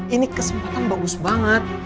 ini kesempatan bagus banget